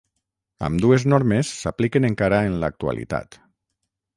Ambdues normes s'apliquen encara en l'actualitat.